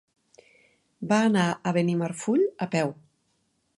Va anar a Benimarfull a peu.